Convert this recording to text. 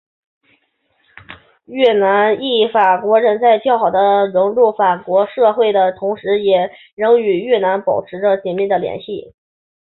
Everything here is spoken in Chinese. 越南裔法国人在较好的融入法国社会的同时也仍与越南保持着紧密的联系。